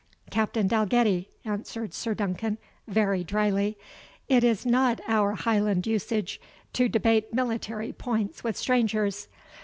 "Captain Dalgetty," answered Sir Duncan very dryly, "it is not our Highland usage to debate military points with strangers.